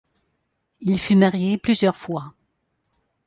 Il fut marié plusieurs fois.